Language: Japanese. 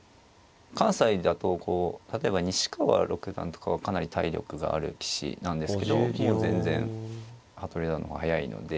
関西だとこう例えば西川六段とかはかなり体力がある棋士なんですけどもう全然服部四段の方が速いので。